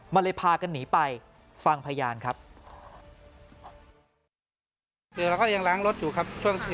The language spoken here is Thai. มันเลยพากันหนีไปฟังพยานครับ